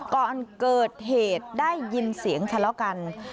ก่อนเกิดเหตุได้ยินเสียงทะเลาะกัน